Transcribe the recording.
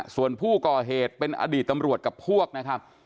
ส่วนผู้ก่อเหตุเป็นอดีตตำรวจกับพวกนะครับ